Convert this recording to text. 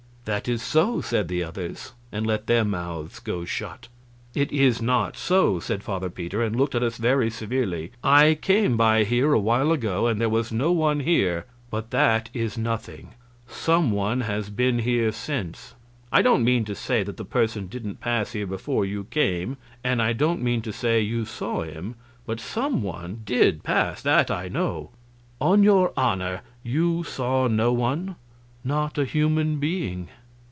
"That is so," said the others, and let their mouths go shut. "It is not so," said Father Peter, and looked at us very severely. "I came by here a while ago, and there was no one here, but that is nothing; some one has been here since. I don't mean to say that the person didn't pass here before you came, and I don't mean to say you saw him, but some one did pass, that I know. On your honor you saw no one?" "Not a human being."